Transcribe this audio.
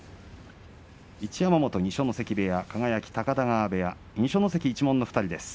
一山本、二所ノ関部屋輝、高田川部屋二所ノ関一門の２人です。